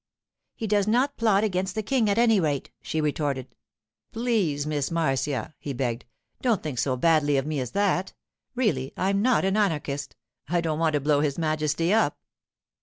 'He does not plot against the King, at any rate!' she retorted. 'Please, Miss Marcia,' he begged, 'don't think so badly of me as that. Really, I'm not an anarchist. I don't want to blow His Majesty up.